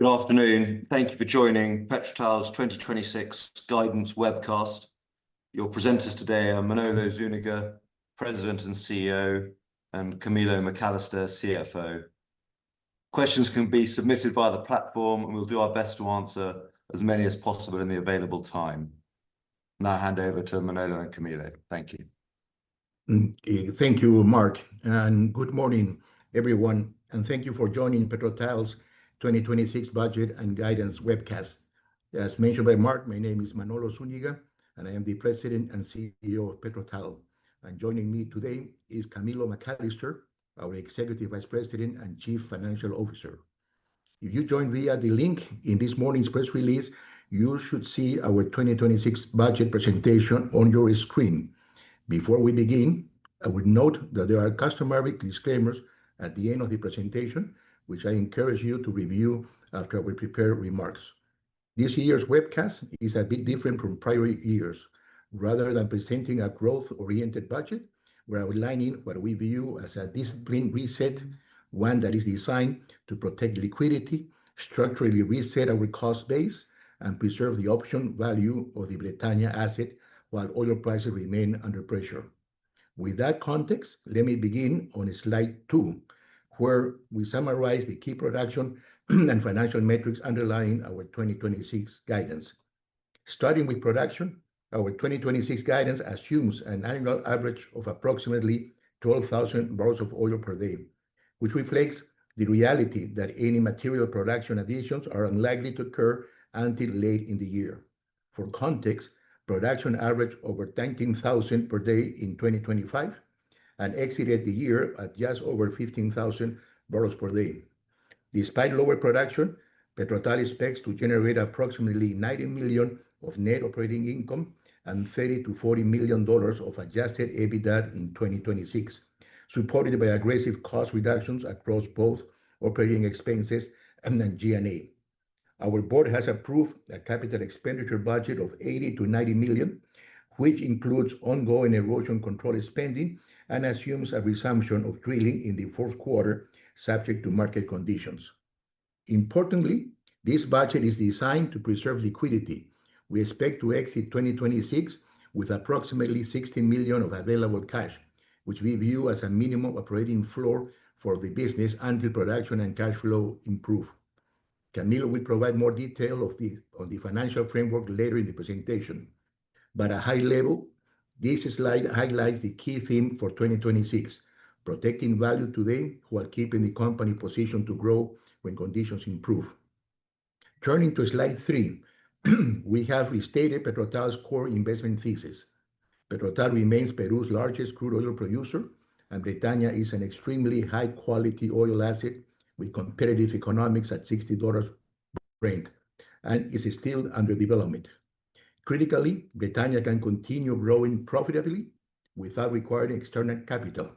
Good afternoon. Thank you for joining PetroTal's 2026 Guidance Webcast. Your presenters today are Manolo Zúñiga, President and CEO, and Camilo McAllister, CFO. Questions can be submitted via the platform, and we'll do our best to answer as many as possible in the available time. Now I hand over to Manolo and Camilo. Thank you. Thank you, Mark, and good morning, everyone. And thank you for joining PetroTal's 2026 Budget and Guidance Webcast. As mentioned by Mark, my name is Manolo Zúñiga, and I am the President and CEO of PetroTal. And joining me today is Camilo McAllister, our Executive Vice President and Chief Financial Officer. If you joined via the link in this morning's press release, you should see our 2026 budget presentation on your screen. Before we begin, I would note that there are customary disclaimers at the end of the presentation, which I encourage you to review after we prepare remarks. This year's webcast is a bit different from prior years. Rather than presenting a growth-oriented budget, we are aligning what we view as a discipline reset, one that is designed to protect liquidity, structurally reset our cost base, and preserve the option value of the Bretaña asset while oil prices remain under pressure. With that context, let me begin on slide two, where we summarize the key production and financial metrics underlying our 2026 guidance. Starting with production, our 2026 guidance assumes an annual average of approximately 12,000 barrels of oil per day, which reflects the reality that any material production additions are unlikely to occur until late in the year. For context, production averaged over 19,000 per day in 2025 and exited the year at just over 15,000 barrels per day. Despite lower production, PetroTal expects to generate approximately $90 million of net operating income and $30 million-$40 million of adjusted EBITDA in 2026, supported by aggressive cost reductions across both operating expenses and G&A. Our board has approved a capital expenditure budget of $80 million-$90 million, which includes ongoing erosion control spending and assumes a resumption of drilling in the fourth quarter, subject to market conditions. Importantly, this budget is designed to preserve liquidity. We expect to exit 2026 with approximately $60 million of available cash, which we view as a minimum operating floor for the business until production and cash flow improve. Camilo will provide more detail on the financial framework later in the presentation, but at a high level, this slide highlights the key theme for 2026: protecting value today while keeping the company positioned to grow when conditions improve. Turning to slide three, we have restated PetroTal's core investment thesis. PetroTal remains Peru's largest crude oil producer, and Bretaña is an extremely high-quality oil asset with competitive economics at $60 per Brent, and is still under development. Critically, Bretaña can continue growing profitably without requiring external capital,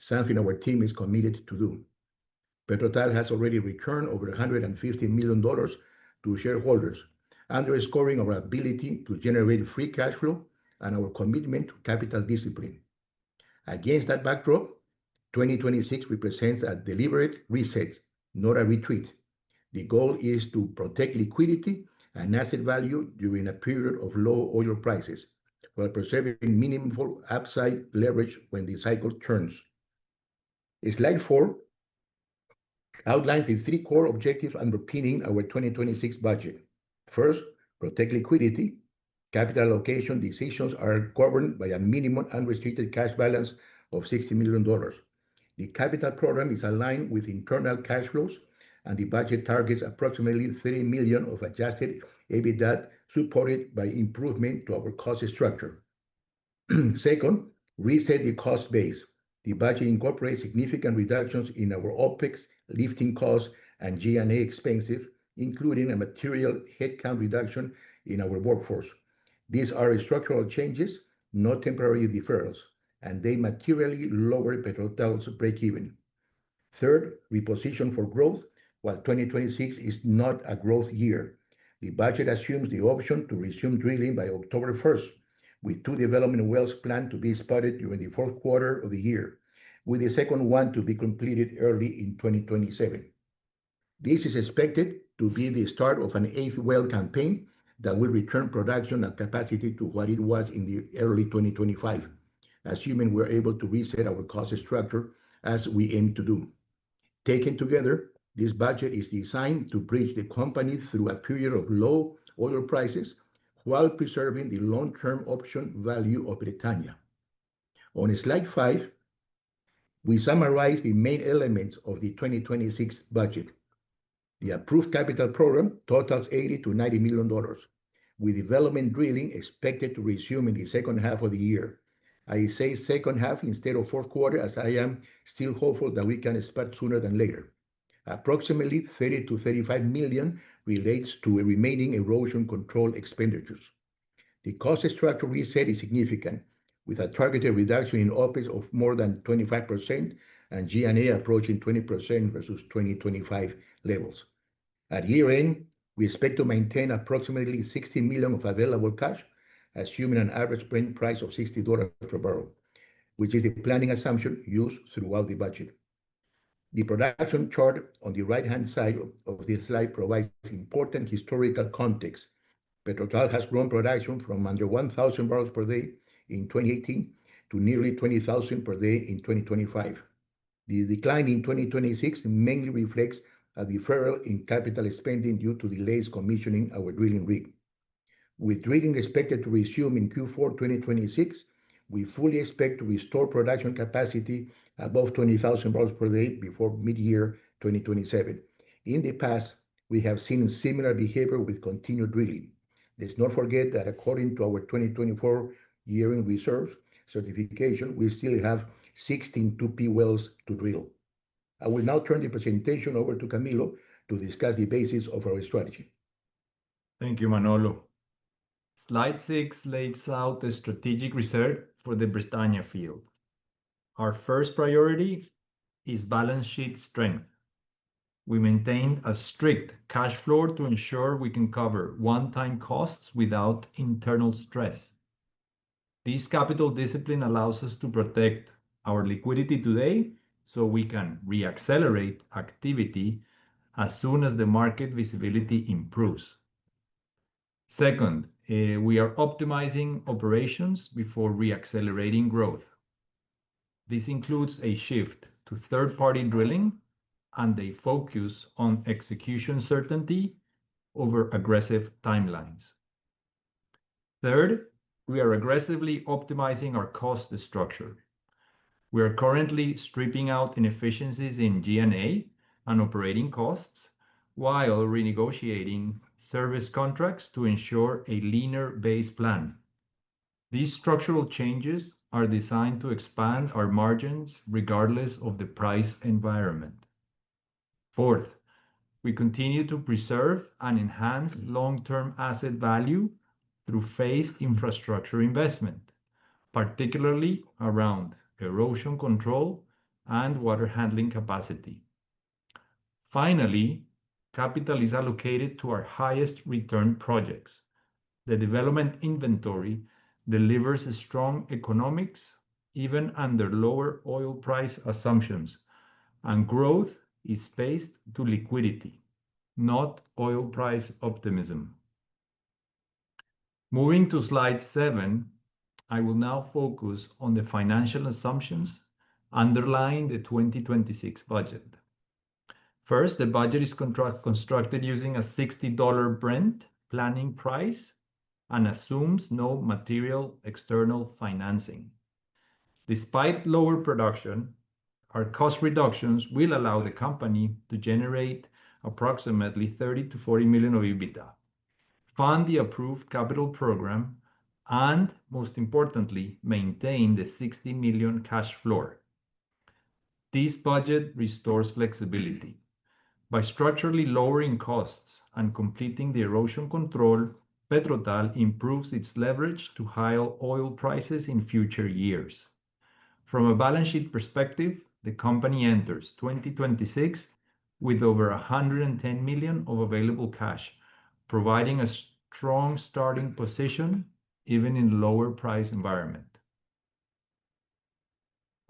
something our team is committed to do. PetroTal has already returned over $150 million to shareholders, underscoring our ability to generate free cash flow and our commitment to capital discipline. Against that backdrop, 2026 represents a deliberate reset, not a retreat. The goal is to protect liquidity and asset value during a period of low oil prices, while preserving minimum upside leverage when the cycle turns. Slide four outlines the three core objectives underpinning our 2026 budget. First, protect liquidity. Capital allocation decisions are governed by a minimum unrestricted cash balance of $60 million. The capital program is aligned with internal cash flows, and the budget targets approximately $30 million of adjusted EBITDA, supported by improvement to our cost structure. Second, reset the cost base. The budget incorporates significant reductions in our OpEx, lifting costs, and G&A expenses, including a material headcount reduction in our workforce. These are structural changes, not temporary deferrals, and they materially lower PetroTal's breakeven. Third, reposition for growth, while 2026 is not a growth year. The budget assumes the option to resume drilling by October 1st, with two development wells planned to be spudded during the fourth quarter of the year, with the second one to be completed early in 2027. This is expected to be the start of an eighth well campaign that will return production and capacity to what it was in early 2025, assuming we're able to reset our cost structure, as we aim to do. Taken together, this budget is designed to bridge the company through a period of low oil prices while preserving the long-term option value of Bretaña. On slide five, we summarize the main elements of the 2026 budget. The approved capital program totals $80 million-$90 million, with development drilling expected to resume in the second half of the year. I say second half instead of fourth quarter, as I am still hopeful that we can start sooner than later. Approximately $30 million-$35 million relates to remaining erosion control expenditures. The cost structure reset is significant, with a targeted reduction in OpEx of more than 25% and G&A approaching 20% versus 2025 levels. At year-end, we expect to maintain approximately $60 million of available cash, assuming an average Brent price of $60 per barrel, which is the planning assumption used throughout the budget. The production chart on the right-hand side of this slide provides important historical context. PetroTal has grown production from under 1,000 barrels per day in 2018 to nearly 20,000 per day in 2025. The decline in 2026 mainly reflects a deferral in capital expenditures due to delays commissioning our drilling rig. With drilling expected to resume in Q4 2026, we fully expect to restore production capacity above 20,000 per day before mid-year 2027. In the past, we have seen similar behavior with continued drilling. Let's not forget that according to our 2024 year-end reserves certification, we still have 16 2P wells to drill. I will now turn the presentation over to Camilo to discuss the basis of our strategy. Thank you, Manolo. Slide six lays out the strategic reserve for the Bretaña field. Our first priority is balance sheet strength. We maintain a strict cash flow to ensure we can cover one-time costs without internal stress. This capital discipline allows us to protect our liquidity today so we can re-accelerate activity as soon as the market visibility improves. Second, we are optimizing operations before re-accelerating growth. This includes a shift to third-party drilling and a focus on execution certainty over aggressive timelines. Third, we are aggressively optimizing our cost structure. We are currently stripping out inefficiencies in G&A and operating costs while renegotiating service contracts to ensure a leaner base plan. These structural changes are designed to expand our margins regardless of the price environment. Fourth, we continue to preserve and enhance long-term asset value through phased infrastructure investment, particularly around erosion control and water handling capacity. Finally, capital is allocated to our highest return projects. The development inventory delivers strong economics even under lower oil price assumptions, and growth is spaced to liquidity, not oil price optimism. Moving to slide seven, I will now focus on the financial assumptions underlying the 2026 budget. First, the budget is constructed using a $60 Brent planning price and assumes no material external financing. Despite lower production, our cost reductions will allow the company to generate approximately $30 million-$40 million of EBITDA, fund the approved capital program, and most importantly, maintain the $60 million cash floor. This budget restores flexibility. By structurally lowering costs and completing the erosion control, PetroTal improves its leverage to higher oil prices in future years. From a balance sheet perspective, the company enters 2026 with over $110 million of available cash, providing a strong starting position even in a lower price environment.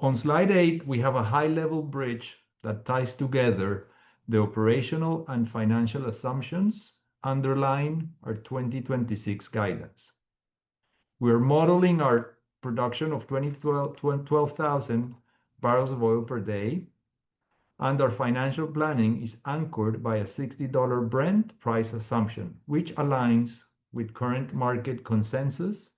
On slide eight, we have a high-level bridge that ties together the operational and financial assumptions underlying our 2026 guidance. We are modeling our production of 12,000 barrels of oil per day, and our financial planning is anchored by a $60 Brent price assumption, which aligns with current market consensus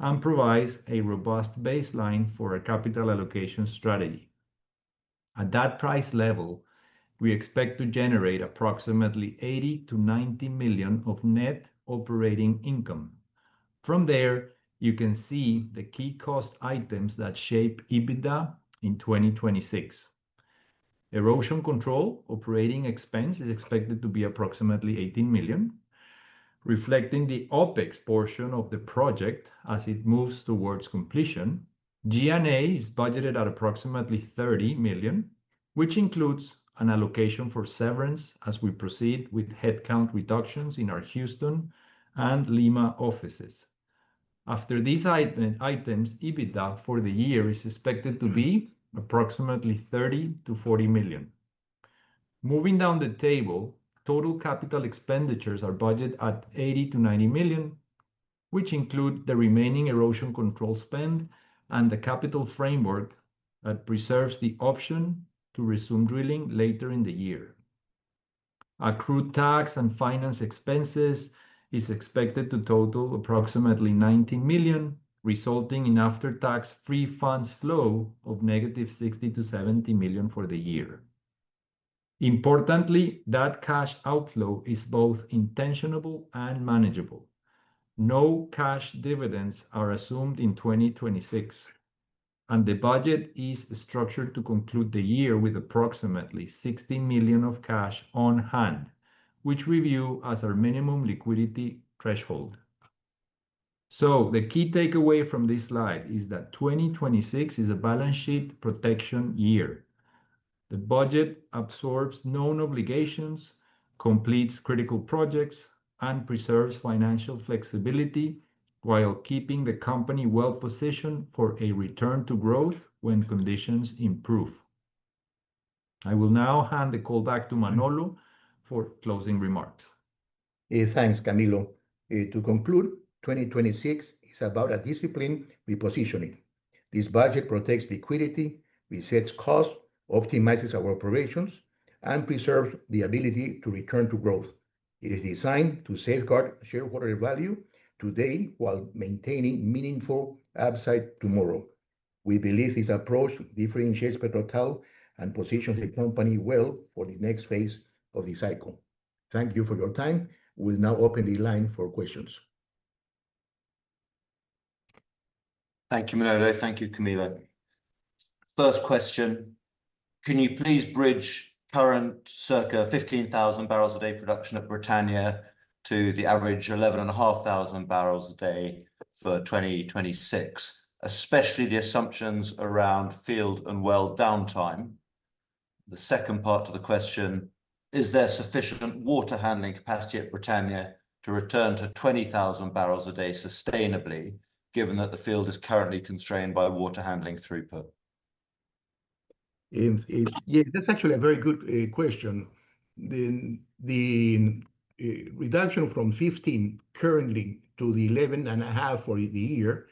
and provides a robust baseline for our capital allocation strategy. At that price level, we expect to generate approximately $80 million-$90 million of net operating income. From there, you can see the key cost items that shape EBITDA in 2026. Erosion control operating expense is expected to be approximately $18 million. Reflecting the OpEx portion of the project as it moves towards completion, G&A is budgeted at approximately $30 million, which includes an allocation for severance as we proceed with headcount reductions in our Houston and Lima offices. After these items, EBITDA for the year is expected to be approximately $30 million-$40 million. Moving down the table, total capital expenditures are budgeted at $80 million-$90 million, which include the remaining erosion control spend and the capital framework that preserves the option to resume drilling later in the year. Accrued tax and finance expenses is expected to total approximately $19 million, resulting in after-tax free funds flow of negative $60 million-$70 million for the year. Importantly, that cash outflow is both intentional and manageable. No cash dividends are assumed in 2026, and the budget is structured to conclude the year with approximately $16 million of cash on hand, which we view as our minimum liquidity threshold. So the key takeaway from this slide is that 2026 is a balance sheet protection year. The budget absorbs known obligations, completes critical projects, and preserves financial flexibility while keeping the company well-positioned for a return to growth when conditions improve. I will now hand the call back to Manolo for closing remarks. Thanks, Camilo. To conclude, 2026 is about a disciplined repositioning. This budget protects liquidity, resets costs, optimizes our operations, and preserves the ability to return to growth. It is designed to safeguard shareholder value today while maintaining meaningful upside tomorrow. We believe this approach differentiates PetroTal and positions the company well for the next phase of the cycle. Thank you for your time. We'll now open the line for questions. Thank you, Manolo. Thank you, Camilo. First question. Can you please bridge current circa 15,000 barrels a day production at Bretaña to the average 11,500 barrels a day for 2026, especially the assumptions around field and well downtime? The second part to the question, is there sufficient water handling capacity at Bretaña to return to 20,000 barrels a day sustainably, given that the field is currently constrained by water handling throughput? Yes, that's actually a very good question. The reduction from 15,000 currently to the 11,500 for the year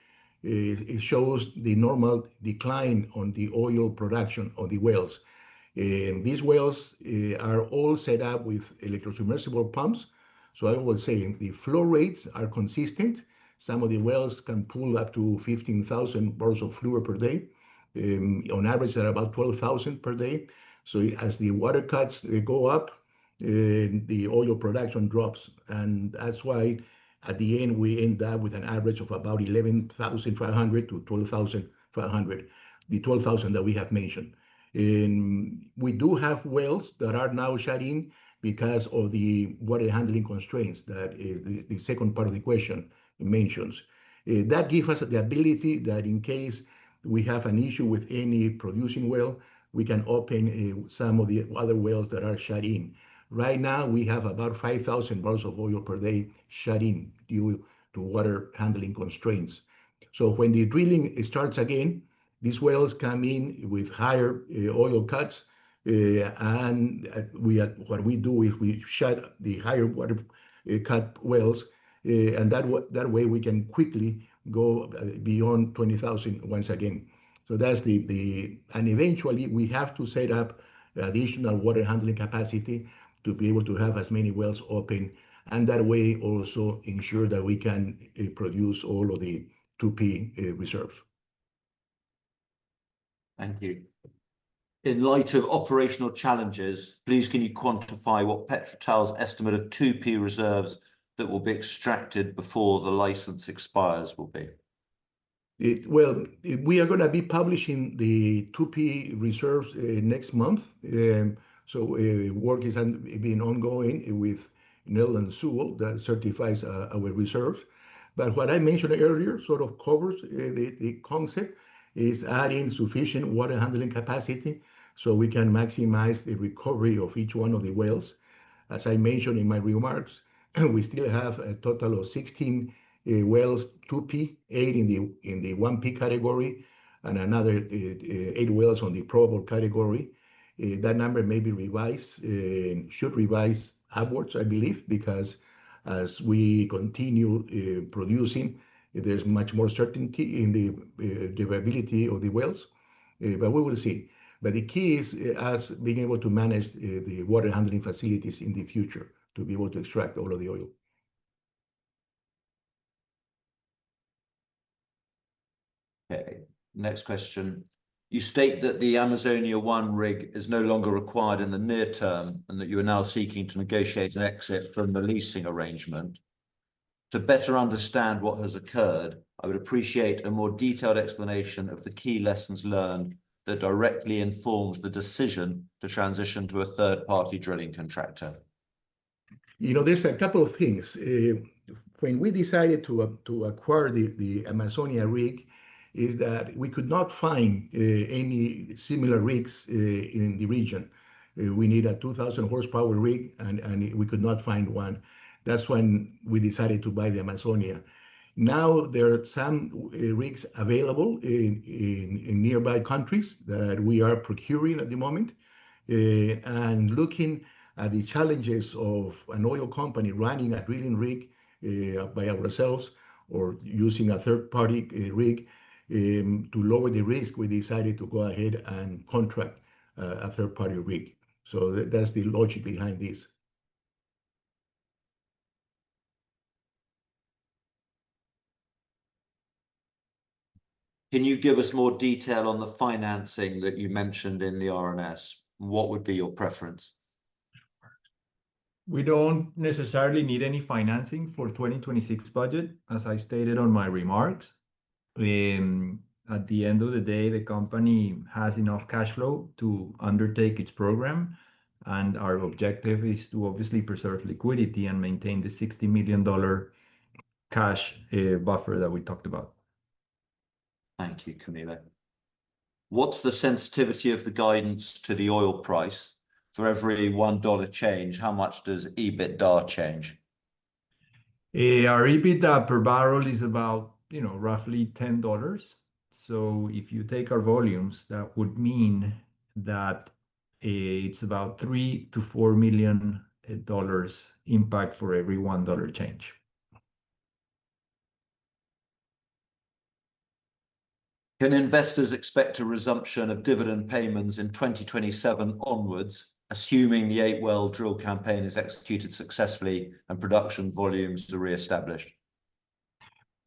shows the normal decline on the oil production of the wells. These wells are all set up with electric submersible pumps, so I will say the flow rates are consistent. Some of the wells can pull up to 15,000 barrels of fluid per day. On average, they're about 12,000 per day. So as the water cuts go up, the oil production drops. And that's why at the end, we end up with an average of about 11,500-12,500, the 12,000 that we have mentioned. We do have wells that are now shut in because of the water handling constraints that the second part of the question mentions. That gives us the ability that in case we have an issue with any producing well, we can open some of the other wells that are shut in. Right now, we have about 5,000 barrels of oil per day shut in due to water handling constraints, so when the drilling starts again, these wells come in with higher oil cuts, and what we do is we shut the higher water cut wells, and that way we can quickly go beyond 20,000 once again, so that's the, and eventually, we have to set up additional water handling capacity to be able to have as many wells open, and that way also ensure that we can produce all of the 2P reserves. Thank you. In light of operational challenges, please, can you quantify what PetroTal's estimate of 2P reserves that will be extracted before the license expires will be? We are going to be publishing the 2P reserves next month. So work is being ongoing with Netherland Sewell that certifies our reserves. But what I mentioned earlier sort of covers the concept is adding sufficient water handling capacity so we can maximize the recovery of each one of the wells. As I mentioned in my remarks, we still have a total of 16 wells, 2P, eight in the 1P category and another eight wells on the probable category. That number may be revised, should revise upwards, I believe, because as we continue producing, there's much more certainty in the availability of the wells. But we will see. But the key is us being able to manage the water handling facilities in the future to be able to extract all of the oil. Okay. Next question. You state that the Amazonia-1 rig is no longer required in the near term and that you are now seeking to negotiate an exit from the leasing arrangement. To better understand what has occurred, I would appreciate a more detailed explanation of the key lessons learned that directly informed the decision to transition to a third-party drilling contractor. You know, there's a couple of things. When we decided to acquire the Amazonia rig, is that we could not find any similar rigs in the region. We need a 2,000-horsepower rig, and we could not find one. That's when we decided to buy the Amazonia. Now, there are some rigs available in nearby countries that we are procuring at the moment, and looking at the challenges of an oil company running a drilling rig by ourselves or using a third-party rig to lower the risk, we decided to go ahead and contract a third-party rig. So that's the logic behind this. Can you give us more detail on the financing that you mentioned in the RNS? What would be your preference? We don't necessarily need any financing for the 2026 budget, as I stated on my remarks. At the end of the day, the company has enough cash flow to undertake its program, and our objective is to obviously preserve liquidity and maintain the $60 million cash buffer that we talked about. Thank you, Camilo. What's the sensitivity of the guidance to the oil price? For every $1 change, how much does EBITDA change? Our EBITDA per barrel is about, you know, roughly $10. So if you take our volumes, that would mean that it's about $3 million-$4 million impact for every $1 change. Can investors expect a resumption of dividend payments in 2027 onwards, assuming the eight-well drill campaign is executed successfully and production volumes are reestablished?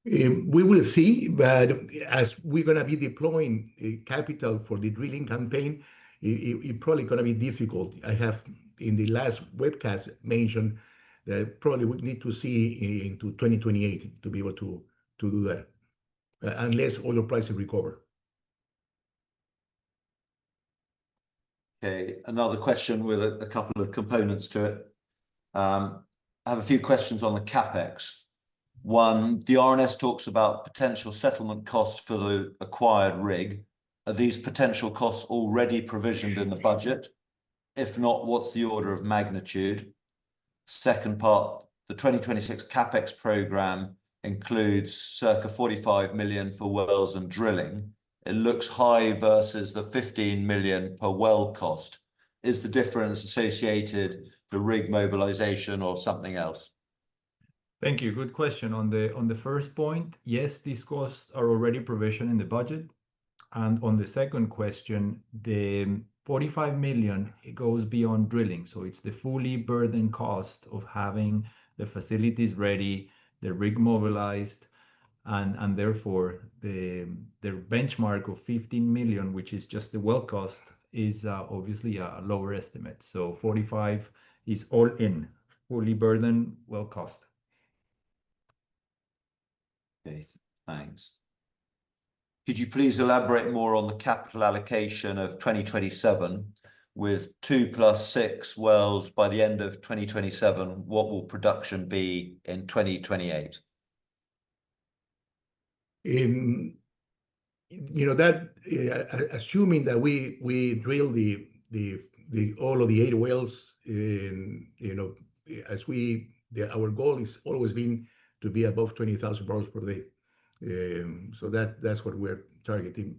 We will see. But as we're going to be deploying capital for the drilling campaign, it's probably going to be difficult. I have in the last webcast mentioned that probably we need to see into 2028 to be able to do that unless oil prices recover. Okay. Another question with a couple of components to it. I have a few questions on the CapEx. One, the RNS talks about potential settlement costs for the acquired rig. Are these potential costs already provisioned in the budget? If not, what's the order of magnitude? Second part, the 2026 CapEx program includes circa $45 million for wells and drilling. It looks high versus the $15 million per well cost. Is the difference associated with rig mobilization or something else? Thank you. Good question. On the first point, yes, these costs are already provisioned in the budget, and on the second question, the $45 million goes beyond drilling. So it's the fully burdened cost of having the facilities ready, the rig mobilized, and therefore the benchmark of $15 million, which is just the well cost, is obviously a lower estimate, so $45 million is all in, fully burdened well cost. Okay. Thanks. Could you please elaborate more on the capital allocation of 2027? With two plus six wells by the end of 2027, what will production be in 2028? You know, that assuming that we drill all of the eight wells, you know, as our goal has always been to be above 20,000 per day. So that's what we're targeting.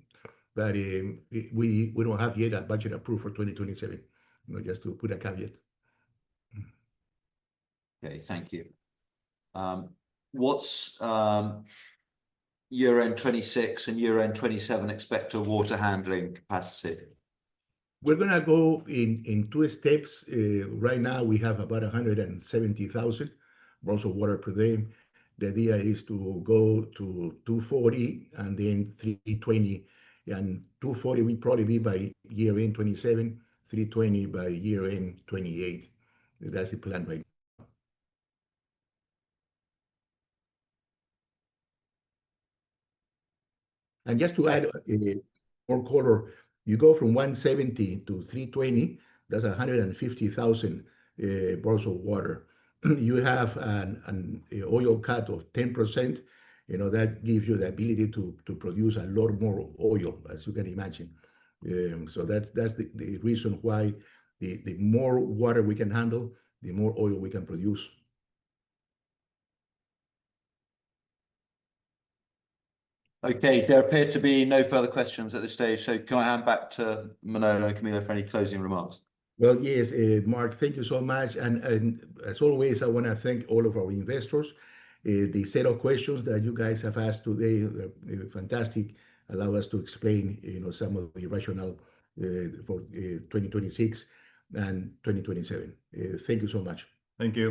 But we don't have yet a budget approved for 2027, just to put a caveat. Okay. Thank you. What's year-end 2026 and year-end 2027 expected water handling capacity? We're going to go in two steps. Right now, we have about 170,000 barrels of water per day. The idea is to go to 240,000 and then 320,000. And 240,000, we probably be by year-end 2027, 320,000 by year-end 2028. That's the plan right now. And just to add more color, you go from 170,000 to 320,000, that's 150,000 barrels of water. You have an oil cut of 10%. You know, that gives you the ability to produce a lot more oil, as you can imagine. So that's the reason why the more water we can handle, the more oil we can produce. Okay. There appear to be no further questions at this stage. So can I hand back to Manolo and Camilo for any closing remarks? Yes, Mark, thank you so much. As always, I want to thank all of our investors. The set of questions that you guys have asked today is fantastic. Allow us to explain, you know, some of the rationale for 2026 and 2027. Thank you so much. Thank you.